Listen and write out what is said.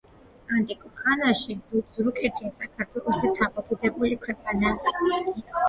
ანტიკურ ხანაში დურძუკეთი საქართველოზე დამოკიდებული ქვეყანა იყო.